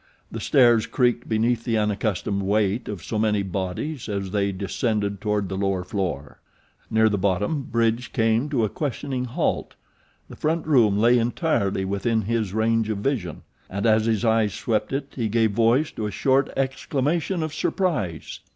The stairs creaked beneath the unaccustomed weight of so many bodies as they descended toward the lower floor. Near the bottom Bridge came to a questioning halt. The front room lay entirely within his range of vision, and as his eyes swept it he gave voice to a short exclamation of surprise.